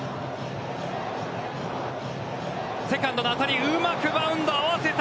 セカンドの当たり、うまくバウンドを合わせた。